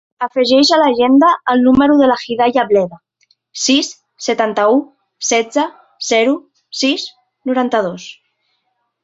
Afegeix a l'agenda el número de la Hidaya Bleda: sis, setanta-u, setze, zero, sis, noranta-dos.